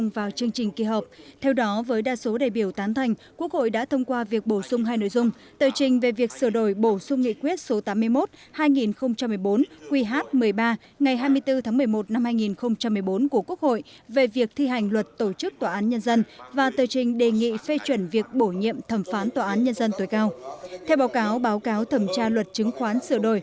phó chủ tịch quốc hội ung chu lưu điều hành phiên họp